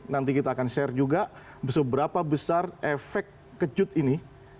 nanti kita akan share juga seberapa besar efek kejut ini